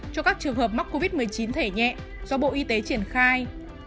cho các trường hợp mắc covid một mươi chín thể nhẹ do bộ y tế triển khai